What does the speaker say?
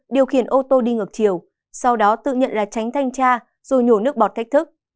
điều khiển ô tô đi ngược chiều sau đó tự nhận là tránh thanh tra rồi nhổ nước bọt cách thức